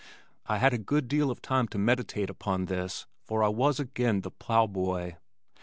I had a good deal of time to meditate upon this for I was again the plow boy.